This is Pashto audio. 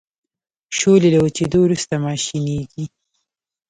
شولې له وچیدو وروسته ماشینیږي.